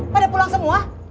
pada pulang semua